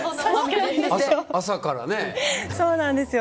朝からね。